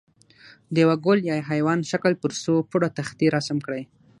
د یوه ګل یا حیوان شکل پر څو پوړه تختې رسم کړئ.